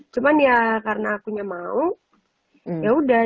cuma dia karena akunya mau yaudah